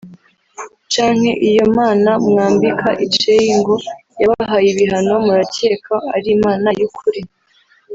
canke iyo mana mwambika iceyi ngo yabahaye ibihano murakeka ari Imana yukuri